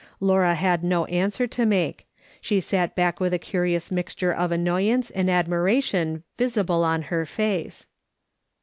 Laura had no answer to make. She sat back with a curious mixture of annoyance and admiration visible on her face.